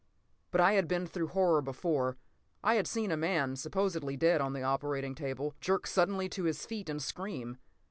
But I had been through horror before. I had seen a man, supposedly dead on the operating table, jerk suddenly to his feet and scream.